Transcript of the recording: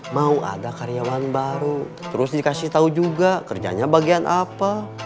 mau ada karyawan baru terus dikasih tahu juga kerjanya bagian apa